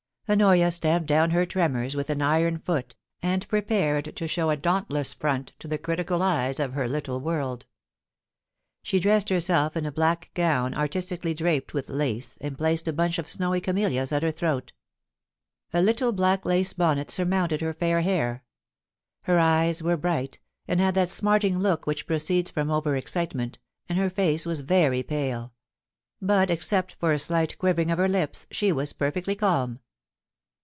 Honoria stamped down her tremors with an iron foot, and prepared to show a dauntless front to the crijtical eyes of her little world She dressed herself in a black gown artistically draped with lac^ and placed a bunch of snowy camellias at her throat A little black lace bonnet 384 POLICY AND PASSION. surmounted her fair hair. Her eyes were bright, and had that smarting look which proceeds from over excitement, and her face was very pale ; but except for a slight quiveiing of her lips, she was perfectly calm.